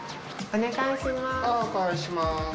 お伺いします。